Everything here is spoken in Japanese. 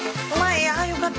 あよかった。